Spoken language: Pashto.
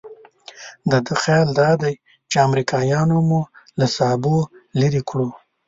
د ده خیال دادی چې امریکایانو مو له سابو لرې کړو.